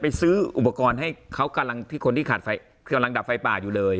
ซื้ออุปกรณ์ให้เขากำลังที่คนที่ขาดไฟกำลังดับไฟป่าอยู่เลย